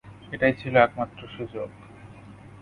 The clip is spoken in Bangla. এটাই ছিল একমাত্র সুযোগ।